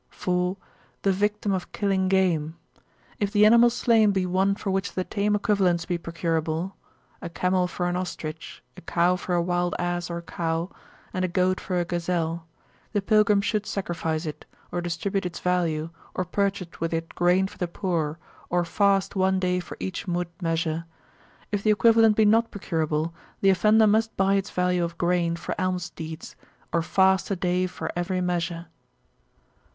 4. The Victim of killing Game. If the animal slain be one for which the tame equivalents be procurable (a camel for an ostrich, a cow for a wild ass or cow, and a goat for a gazelle), the pilgrim should sacrifice it, or distribute its value, or purchase with it grain for the poor, or fast one day for each Mudd measure. If the equivalent be not procurable, the offender must buy its value of grain for alms deeds, or fast a day for every measure.